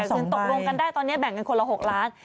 เงินตกลงกันได้ตอนนี้แบ่งกันคนละ๖ล้าน